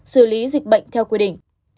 xử lý dịch bệnh theo quy định